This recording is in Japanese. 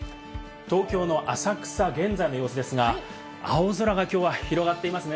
東京の浅草、現在の様子ですが、青空がきょうは広がっていますね。